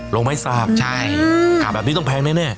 โรงไม้สับใช่แบบนี้ต้องแพงไหมเนี่ย